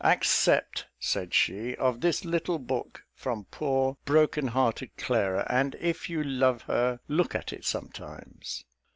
Accept," said she, "of this little book from poor broken hearted Clara; and, if you love her, look at it sometimes."